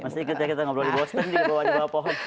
maksudnya kita ngobrol di boston di bawah pohon